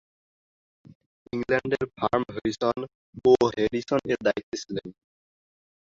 ইংল্যান্ডের firm Harrison ও Harrison এর দায়িত্বে ছিলেন।